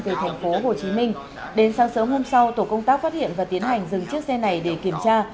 về thành phố hồ chí minh đến sáng sớm hôm sau tổ công tác phát hiện và tiến hành dừng chiếc xe này để kiểm tra